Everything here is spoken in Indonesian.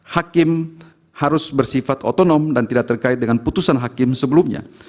hakim harus bersifat otonom dan tidak terkait dengan putusan hakim sebelumnya